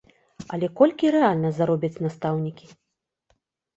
Але колькі рэальна заробяць настаўнікі?